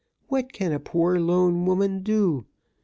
What can a poor lone woman do?